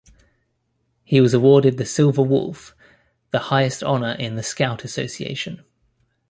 He was awarded the Silver Wolf, the highest honour in The Scout Association.